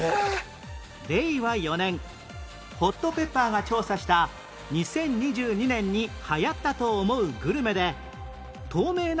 令和４年ホットペッパーが調査した２０２２年に流行ったと思うグルメで